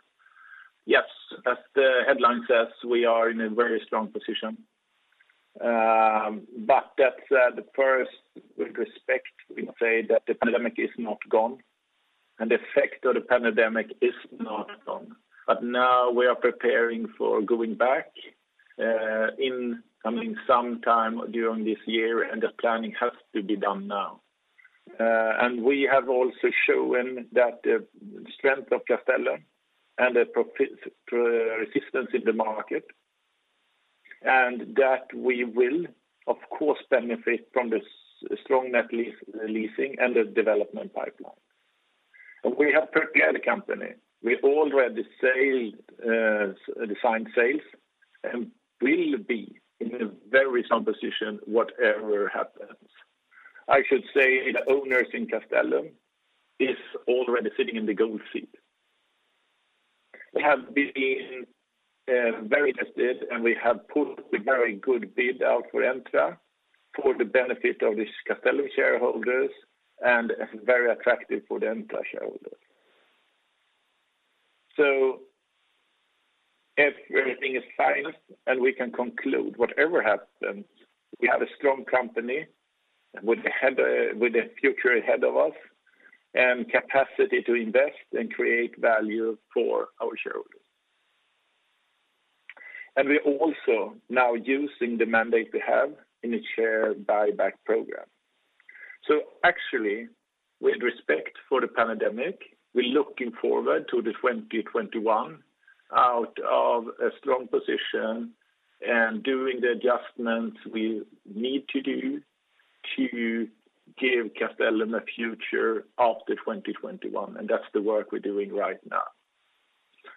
Yes, as the headline says, we are in a very strong position, but that said, the first with respect, we say that the pandemic is not gone, and the effect of the pandemic is not gone. Now we are preparing for going back in coming sometime during this year, and the planning has to be done now. We have also shown that the strength of Castellum and the resistance in the market, and that we will, of course, benefit from the strong net leasing and the development pipeline. We have prepared the company. We already signed sales and will be in a very strong position whatever happens. I should say the owners in Castellum is already sitting in the gold seat. We have been very tested, and we have put a very good bid out for Entra for the benefit of the Castellum shareholders, and very attractive for the Entra shareholders. If everything is signed and we can conclude whatever happens, we have a strong company with the future ahead of us and capacity to invest and create value for our shareholders. We are also now using the mandate we have in a share buyback program. Actually, with respect for the pandemic, we're looking forward to the 2021 out of a strong position and doing the adjustments we need to do to give Castellum a future after 2021, and that's the work we're doing right now.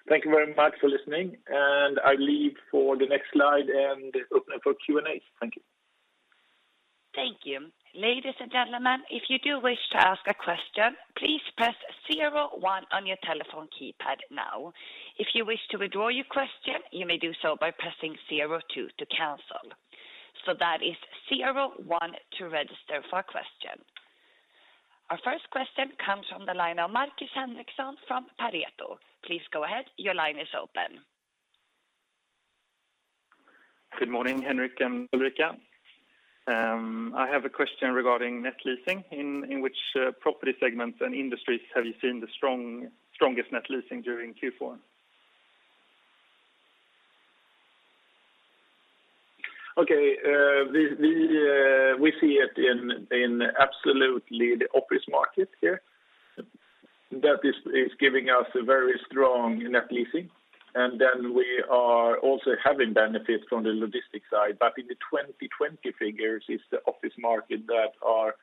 Thank you very much for listening. I leave for the next slide and open for Q&A. Thank you. Thank you. Ladies and gentlemen, if you do wish to ask a question, please press zero one on your telephone keypad now. If you wish to withdraw your question, you may do so by pressing zero two to cancel. That is zero one to register for a question. Our first question comes from the line of Markus Henriksson from Pareto. Please go ahead. Your line is open. Good morning, Henrik and Ulrika. I have a question regarding net leasing. In which property segments and industries have you seen the strongest net leasing during Q4? Okay. We see it in absolutely the office market here. That is giving us a very strong net leasing and then we are also having benefits from the logistics side. In the 2020 figures, it's the office market that are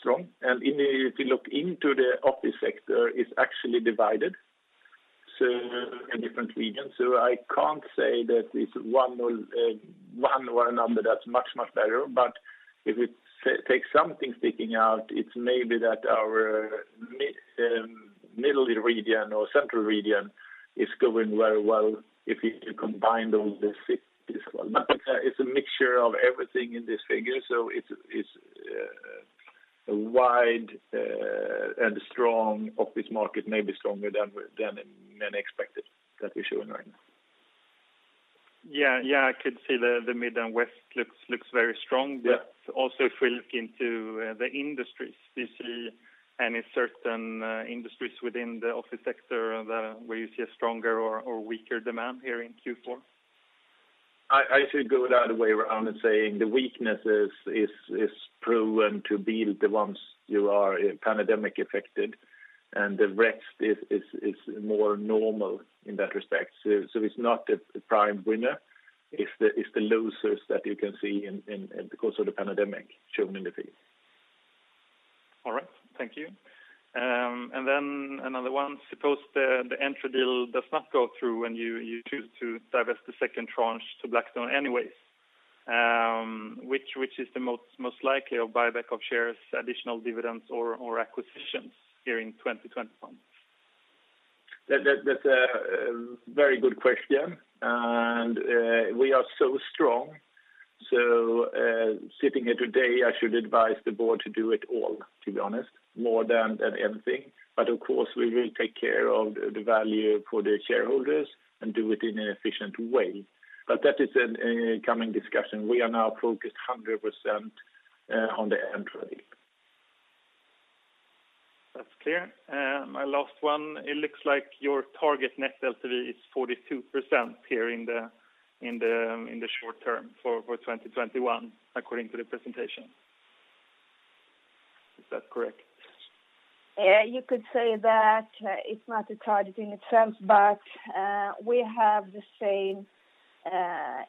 strong. If you look into the office sector, it's actually divided in different regions. I can't say that it's one number that's much better. If it takes something sticking out, it's maybe that our middle region or central region is going very well if you combine all the cities. It's a mixture of everything in this figure. It's a wide and strong office market, maybe stronger than many expected that we're showing right now. Yeah, I could see the Midwest looks very strong. Yeah. Also if we look into the industries, do you see any certain industries within the office sector where you see a stronger or weaker demand here in Q4? I should go the other way around and say the weaknesses is proven to be the ones you are pandemic-affected, and the rest is more normal in that respect. It's not the prime winner, it's the losers that you can see and because of the pandemic shown in the field. All right. Thank you and then another one. Suppose the Entra deal does not go through and you choose to divest the second tranche to Blackstone anyways. Which is the most likely of buyback of shares, additional dividends, or acquisitions during 2021? That's a very good question. We are so strong, so sitting here today, I should advise the board to do it all, to be honest, more than anything. Of course, we will take care of the value for the shareholders and do it in an efficient way, but that is a coming discussion. We are now focused 100% on the Entra deal. That's clear and my last one. It looks like your target net LTV is 42% here in the short term for 2021, according to the presentation. Is that correct? You could say that it's not a target in a sense, but we have the same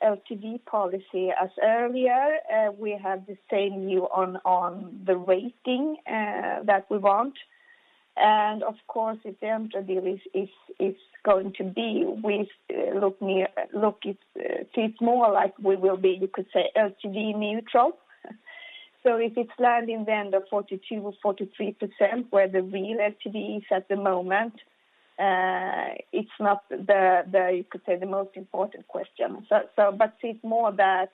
LTV policy as earlier. We have the same view on the rating that we want and, of course, the Entra deal, it's more like we will be, you could say LTV neutral. If it's landing then the 42% or 43%, where the real LTV is at the moment. It's not you could say the most important question. It's more that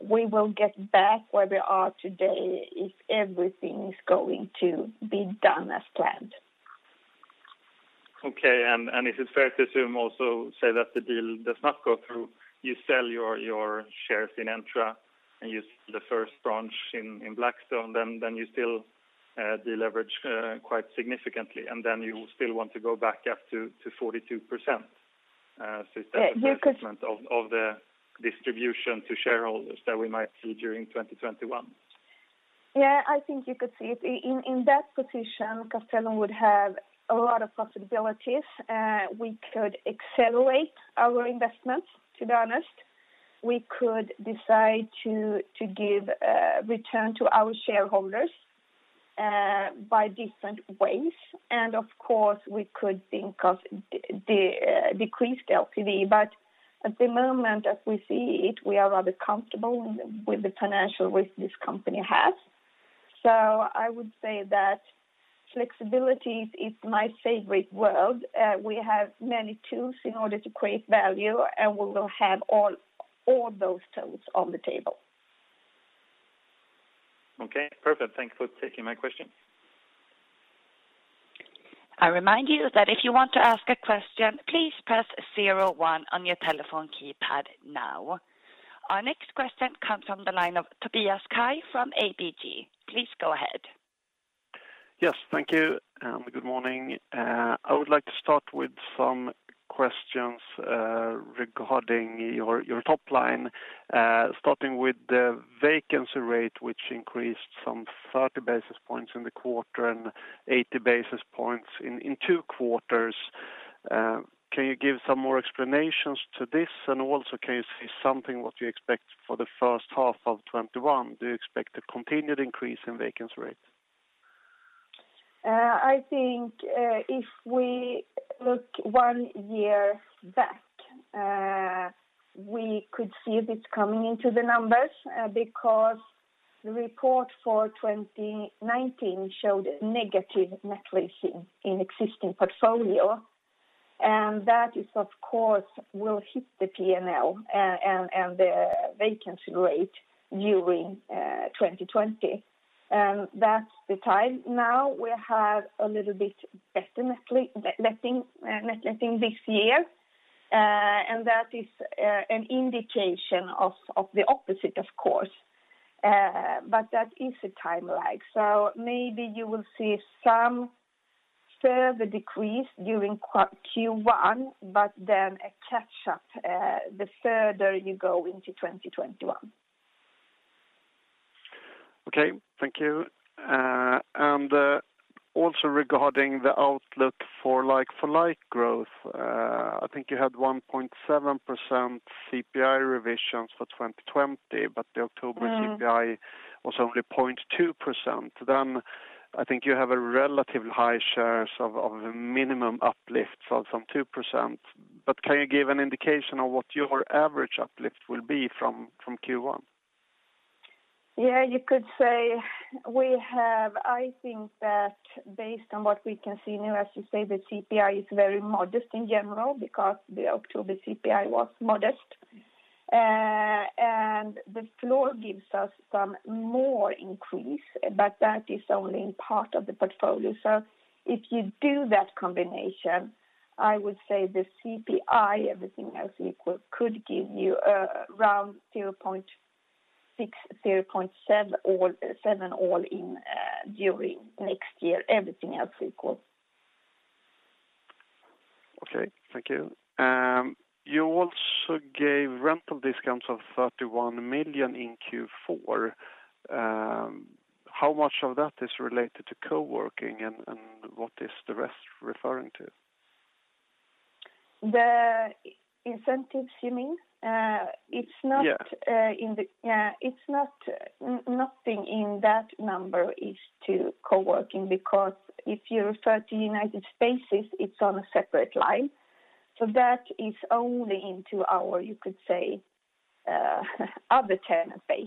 we will get back where we are today if everything is going to be done as planned. Okay. Is it fair to assume also, say that the deal does not go through, you sell your shares in Entra, and you sell the first tranche in Blackstone, then you still deleverage quite significantly, and then you still want to go back up to 42%? Yeah. The basis of the distribution to shareholders that we might see during 2021? Yeah, I think you could see it. In that position, Castellum would have a lot of possibilities. We could accelerate our investments, to be honest. We could decide to give return to our shareholders by different ways and, of course, we could think of decreased LTV. At the moment, as we see it, we are rather comfortable with the financial risk this company has. I would say that flexibility is my favorite word. We have many tools in order to create value, and we will have all those tools on the table. Okay, perfect, thanks for taking my question. I remind you that if you want to ask a question, please press zero one on your telephone keypad now. Our next question comes from the line of Tobias Kaj from ABG. Please go ahead. Yes, thank you, and good morning. I would like to start with some questions regarding your top line starting with the vacancy rate, which increased from 30 basis points in the quarter and 80 basis points in two quarters. Can you give some more explanations to this? Also, can you say something what you expect for the first half of 2021? Do you expect a continued increase in vacancy rates? I think if we look one year back, we could see this coming into the numbers because the report for 2019 showed negative net leasing in existing portfolio and that, of course, will hit the P&L and the vacancy rate during 2020. That's the time now we have a little bit better net leasing this year, and that is an indication of the opposite, of course, but that is a time lag. Maybe you will see some further decrease during Q1, but then a catch-up the further you go into 2021. Okay. Thank you, and also regarding the outlook for like-for-like growth, I think you had 1.7% CPI revisions for 2020, but the October CPI was only 0.2%. I think you have a relatively high shares of the minimum uplift of 2%. Can you give an indication of what your average uplift will be from Q1? Yeah, you could say, we have, I think that based on what we can see now, as you say, the CPI is very modest in general because the October CPI was modest, and the floor gives us some more increase, but that is only in part of the portfolio. If you do that combination, I would say the CPI, everything else equal, could give you around 0.6, 0.7 all in during next year, everything else equal. Okay, thank you. You also gave rental discounts of 31 million in Q4. How much of that is related to co-working and what is the rest referring to? The incentives, you mean? Yeah. Nothing in that number is to co-working because if you refer to United Spaces, it's on a separate line. That is only into, our you could say, other tenant base.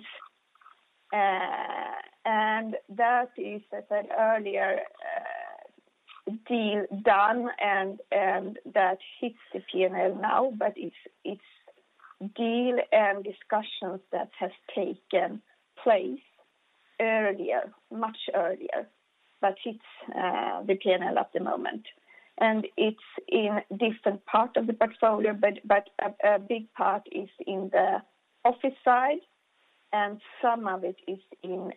That is, as I said earlier, deal done and that hits the P&L now, but it's deal and discussions that have taken place earlier, much earlier, but hits the P&L at the moment. It's in different part of the portfolio, but a big part is in the office side, and some of it is in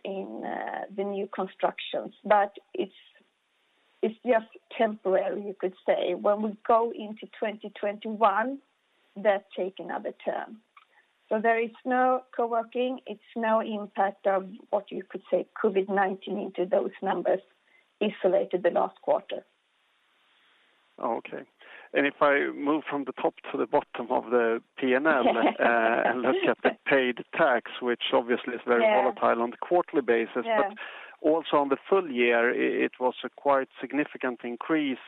the new constructions. It's just temporary, you could say. When we go into 2021, that take another term. There is no co-working, it's no impact of what you could say COVID-19 into those numbers isolated the last quarter. Okay and if I move from the top to the bottom of the P&L and look at the paid tax, which obviously is very volatile on the quarterly basis. Yeah. Also on the full-year, it was a quite significant increase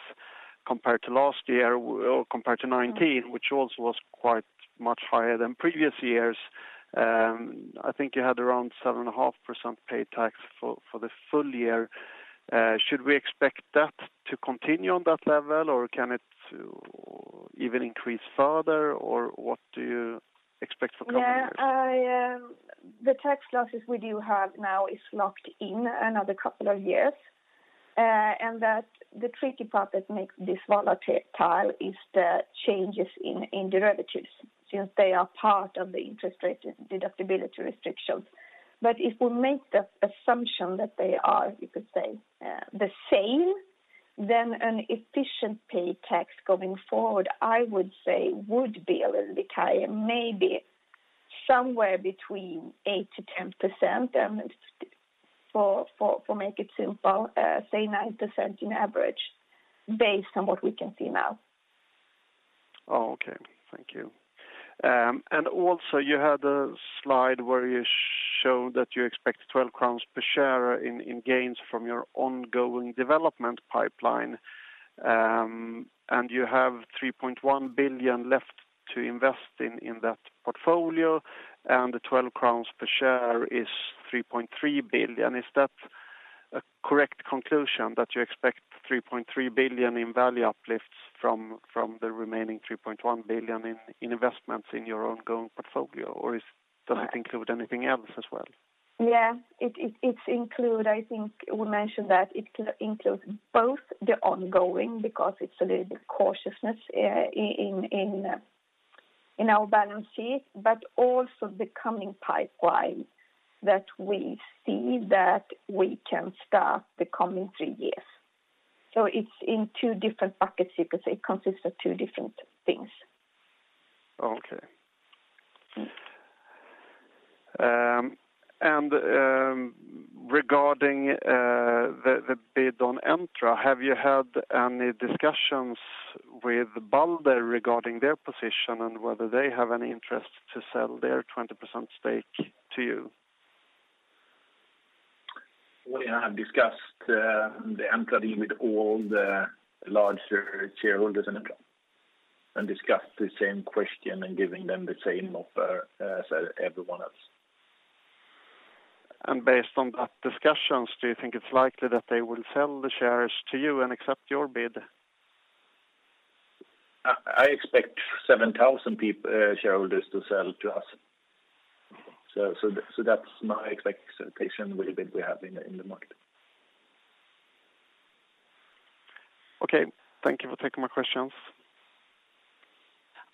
compared to last year, or compared to 2019, which also was quite much higher than previous years. I think you had around 7.5% paid tax for the full-year. Should we expect that to continue on that level or can it even increase further or what do you expect for coming years? Yeah, the tax losses we do have now is locked in another couple of years, and that the tricky part that makes this volatile is the changes in derivatives since they are part of the interest rate deductibility restrictions. If we make the assumption that they are the same, then an efficient paid tax going forward, I would say would be a little bit higher, maybe somewhere between 8% to 10%, for make it simple, say 9% in average based on what we can see now. Okay. Thank you and also you had a slide where you showed that you expect 12 crowns per share in gains from your ongoing development pipeline. You have 3.1 billion left to invest in that portfolio, and the 12 crowns per share is 3.3 billion. Is that a correct conclusion that you expect 3.3 billion in value uplifts from the remaining 3.1 billion in investments in your ongoing portfolio? Does it include anything else as well? Yeah. I think we mentioned that it includes both the ongoing, because it's a little bit cautiousness in our balance sheet, but also the coming pipeline that we see that we can start the coming three years. It's in two different buckets. It consists of two different things. Okay, regarding the bid on Entra, have you had any discussions with Balder regarding their position and whether they have any interest to sell their 20% stake to you? Well, I have discussed the Entra deal with all the larger shareholders in Entra, and discussed the same question and giving them the same offer as everyone else. Based on that discussions, do you think it's likely that they will sell the shares to you and accept your bid? I expect 7,000 shareholders to sell to us, so that's my expectation with the bid we have in the market. Okay. Thank you for taking my questions.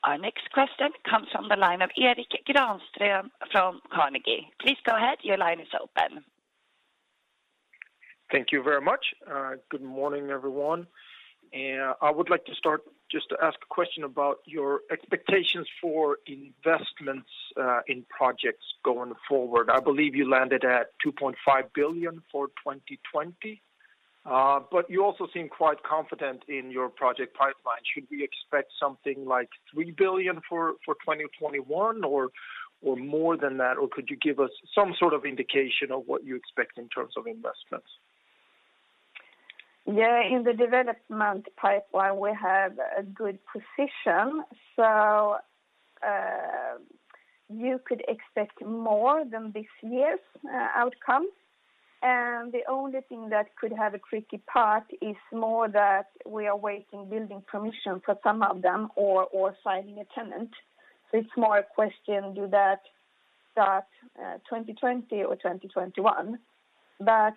Our next question comes from the line of Erik Granström from Carnegie. Please go ahead, your line is open. Thank you very much. Good morning, everyone. I would like to start just to ask a question about your expectations for investments in projects going forward. I believe you landed at 2.5 billion for 2020. You also seem quite confident in your project pipeline. Should we expect something like 3 billion for 2021 or more than that? Could you give us some sort of indication of what you expect in terms of investments? Yeah. In the development pipeline, we have a good position. You could expect more than this year's outcome. The only thing that could have a tricky part is more that we are waiting building permission for some of them or signing a tenant. It's more a question, do that start 2020 or 2021?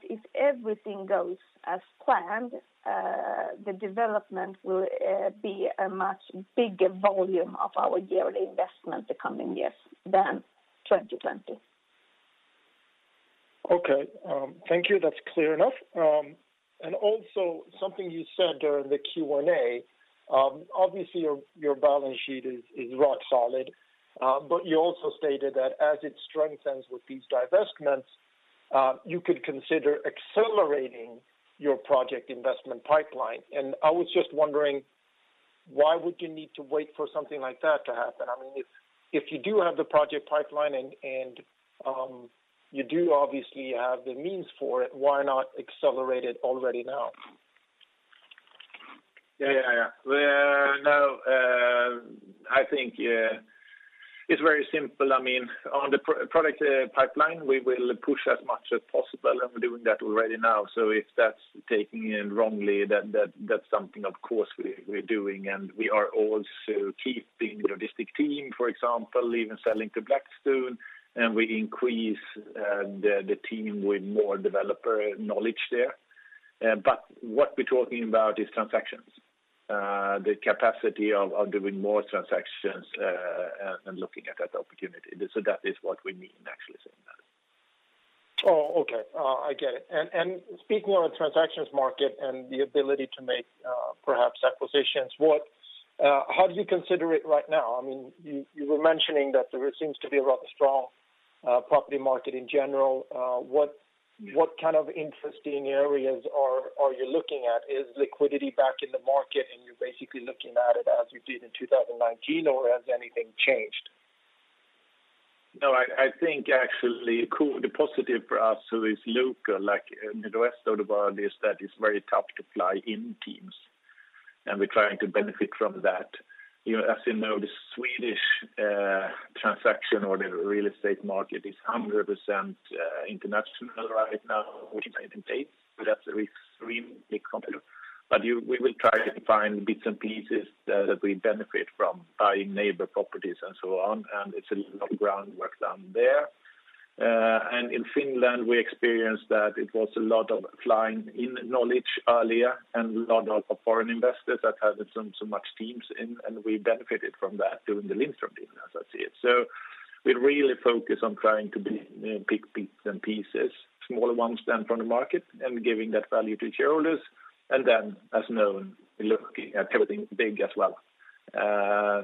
If everything goes as planned, the development will be a much bigger volume of our yearly investment the coming years than 2020. Okay. Thank you. That's clear enough. Also something you said during the Q&A, obviously your balance sheet is rock solid. You also stated that as it strengthens with these divestments, you could consider accelerating your project investment pipeline, and I was just wondering, why would you need to wait for something like that to happen? If you do have the project pipeline and you do obviously have the means for it, why not accelerate it already now? Yeah. I think it's very simple. I mean, on the project pipeline, we will push as much as possible, and we're doing that already now. If that's taken wrongly, then that's something of course we're doing. We are also keeping the logistics team, for example, even selling to Blackstone, and we increase the team with more developer knowledge there. What we're talking about is transactions, the capacity of doing more transactions and looking at that opportunity, so that is what we mean actually saying that. Okay, I get it, and speaking on the transactions market and the ability to make perhaps acquisitions, how do you consider it right now? You were mentioning that there seems to be a rather strong property market in general. What kind of interesting areas are you looking at? Is liquidity back in the market and you're basically looking at it as you did in 2019 or has anything changed? No, I think actually the positive for us is local, like in the rest of the world is that it's very tough to fly in teams, and we're trying to benefit from that. As you know, the Swedish transaction or the real estate market is 100% international right now, which I think that's extremely competitive. We will try to find bits and pieces that we benefit from buying neighbor properties and so on. It's a lot of groundwork done there. In Finland, we experienced that it was a lot of flying in knowledge earlier and a lot of foreign investors that had sent so much teams in, and we benefited from that during the Lindström deal as I see it. We really focus on trying to pick bits and pieces, smaller ones than from the market, and giving that value to shareholders. As known, looking at everything big as well.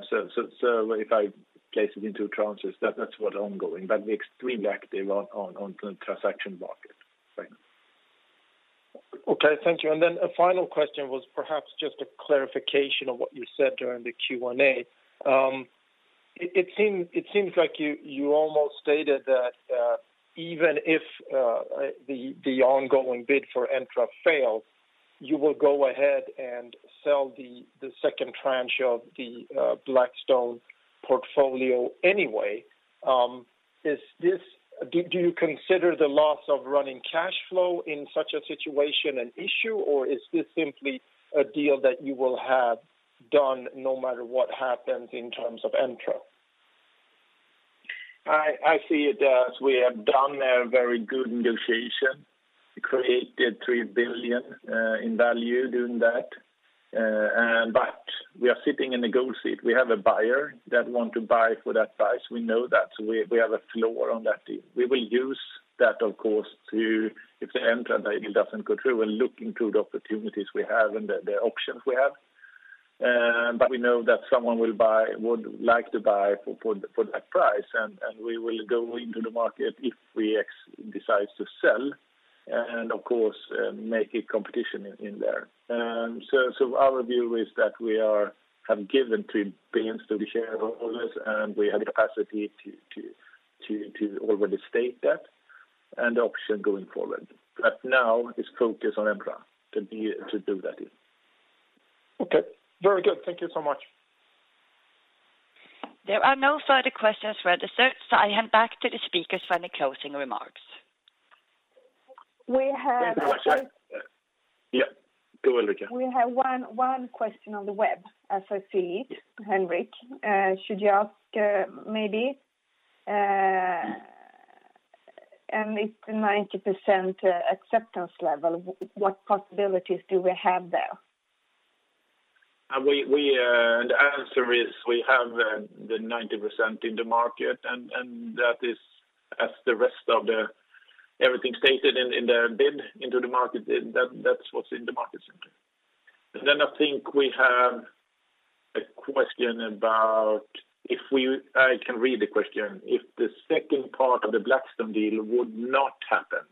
If I place it into tranches, that's what ongoing, but we extremely active on the transaction market right now. Okay, thank you, and final question was perhaps just a clarification of what you said during the Q&A. It seems like you almost stated that even if the ongoing bid for Entra fails, you will go ahead and sell the second tranche of the Blackstone portfolio anyway. Do you consider the loss of running cash flow in such a situation an issue, or is this simply a deal that you will have done no matter what happens in terms of Entra? I see it as we have done a very good negotiation, created 3 billion in value doing that, but we are sitting in the gold seat. We have a buyer that want to buy for that price. We know that. We have a floor on that deal. We will use that, of course, if the Entra deal doesn't go through, we're looking through the opportunities we have and the options we have. We know that someone would like to buy for that price, and we will go into the market if we decide to sell and, of course, make a competition in there. Our view is that we have given 3 billion to the shareholders, and we have capacity to already state that, and the option going forward. Now it's focus on Entra to do that deal. Okay, very good. Thank you so much. There are no further questions for the call. I hand back to the speakers for any closing remarks. We have. Thank you very much. Yeah, go Ulrika. We have one question on the web as I see it, Henrik. Should you ask maybe? It is the 90% acceptance level. What possibilities do we have there? The answer is we have the 90% in the market, and that is as the rest of everything stated in the bid into the market, that's what's in the market center. I think we have a question about, I can read the question, If the second part of the Blackstone deal would not happen,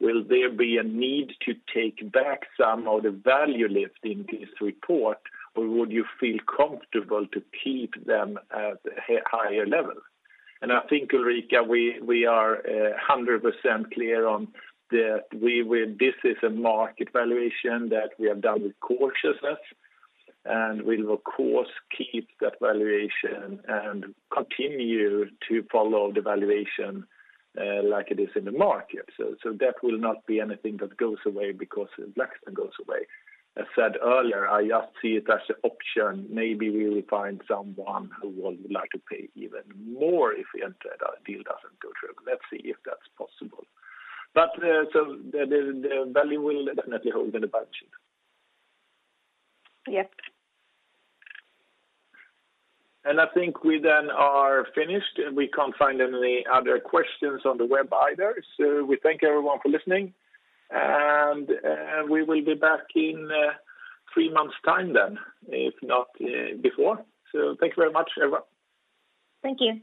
will there be a need to take back some of the value lift in this report, or would you feel comfortable to keep them at higher level? I think Ulrika, we are 100% clear on that this is a market valuation that we have done with cautiousness, and we'll of course keep that valuation and continue to follow the valuation like it is in the market. That will not be anything that goes away because Blackstone goes away. As said earlier, I just see it as an option. Maybe we will find someone who would like to pay even more if the Entra deal doesn't go through. Let's see if that's possible. The value will definitely hold in the budget. Yes. I think we then are finished. We can't find any other questions on the web either. We thank everyone for listening, and we will be back in three months time then, if not before. Thank you very much, everyone. Thank you.